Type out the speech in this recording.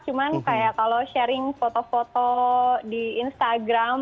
cuman kayak kalau sharing foto foto di instagram